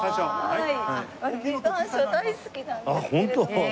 はい。